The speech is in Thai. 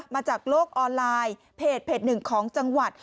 มาจากโลกออนไลน์เพจหนึ่งของจังหวัด